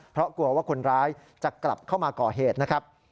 เพราะกลัวว่าคนร้ายจะกลับเข้ามาก่อเหตุนะครับ